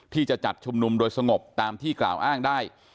ที่จะจัดชุมนุมโดยสงบตามที่กล่าวอ้างได้